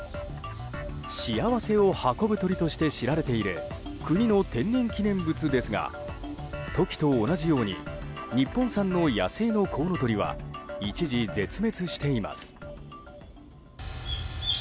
幸せを運ぶ鳥として知られている国の天然記念物ですがトキと同じように日本産の野生のコウノトリは一時絶滅しています。